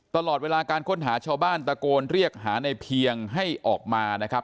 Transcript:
ตลอดเวลาการค้นหาชาวบ้านตะโกนเรียกหาในเพียงให้ออกมานะครับ